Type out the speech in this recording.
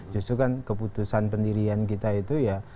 justru kan keputusan pendirian kita itu ya